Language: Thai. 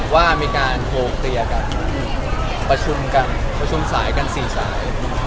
ว่ามีการโทรเคลียร์กันประชุมกันประชุมสายกันสี่สาย